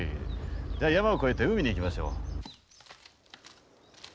じゃあ山を越えて海に行きましょう。